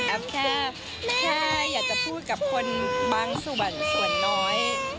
แอฟแค่อยากจะพูดกับคนบางส่วนน้อย